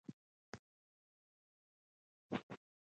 هغه خپله پخوانۍ تنده او غوسه یو څه کمه کړه